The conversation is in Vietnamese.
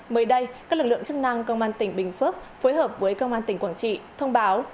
mới đây các lực lượng chức năng công an tỉnh bình phước phối hợp với công an tỉnh quảng trị thông báo